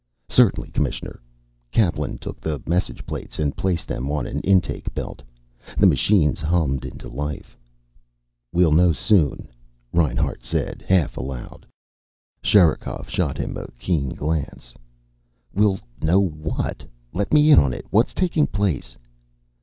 "Certainly, Commissioner." Kaplan took the message plates and placed them on an intake belt. The machines hummed into life. "We'll know soon," Reinhart said, half aloud. Sherikov shot him a keen glance. "We'll know what? Let me in on it. What's taking place?"